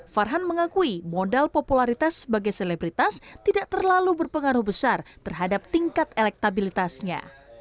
farhan mengakui modal popularitas sebagai selebritas tidak terlalu berpengaruh besar terhadap tingkat elektabilitasnya